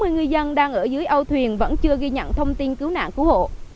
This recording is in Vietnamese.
sáu mươi người dân đang ở dưới âu thuyền vẫn chưa ghi nhận thông tin cứu nạn cứu hộ